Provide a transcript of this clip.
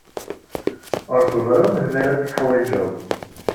Ur teẓriḍ melmi ara t-teḥwijeḍ.